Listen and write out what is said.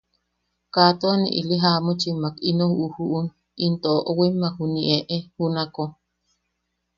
Kaa tua ne ili jamuchimmak ino ujuʼun into oʼowimmak juniʼi eʼe junako.